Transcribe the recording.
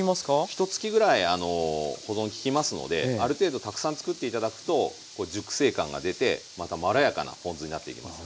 ひとつきぐらい保存利きますのである程度たくさん作って頂くとこう熟成感が出てまろやかなポン酢になっていきます。